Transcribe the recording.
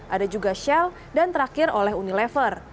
ada juga shell dan terakhir oleh unilever